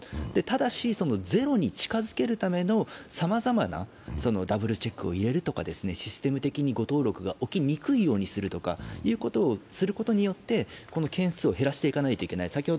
ただし、ゼロに近づけるためのさまざまなダブルチェックを入れるとか、システム的に誤登録が起きにくいようにするとか、そういうことをすることによってこの件数を減らしていかなければならない。